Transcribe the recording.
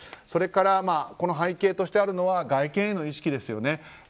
それから背景としてあるのは外見への意識ですよね。